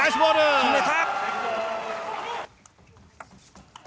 決めた！